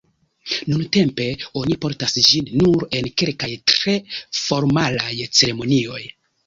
Nuntempe oni portas ĝin nur en kelkaj tre formalaj ceremonioj.